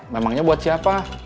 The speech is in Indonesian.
memangnya buat siapa